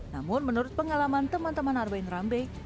namun menurut pengalaman teman teman arben rambe